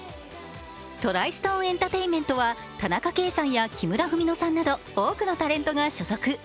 トライストーン・エンタテイメントは田中圭さんや木村文乃さんなど多くのタレントが所属。